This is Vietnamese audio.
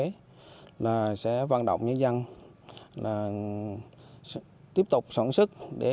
rau trà quế sẽ văn động nhân dân tiếp tục sổn sức